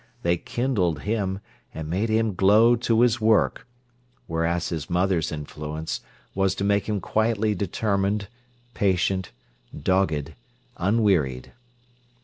They kindled him and made him glow to his work, whereas his mother's influence was to make him quietly determined, patient, dogged, unwearied.